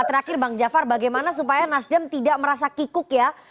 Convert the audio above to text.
terakhir bang jafar bagaimana supaya nasdem tidak merasa kikuk ya